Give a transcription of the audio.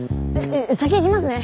先行きますね。